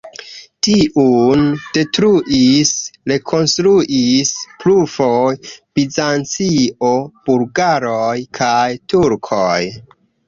Tiun detruis, rekonstruis plurfoje Bizancio, bulgaroj kaj turkoj.